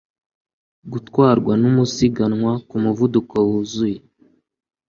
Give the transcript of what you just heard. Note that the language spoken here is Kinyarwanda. Gutwarwa numusiganwa kumuvuduko wuzuye